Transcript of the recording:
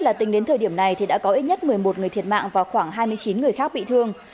là tính đến thời điểm này thì đã có ít nhất một mươi một người thiệt mạng và khoảng hai mươi chín người khác bị thương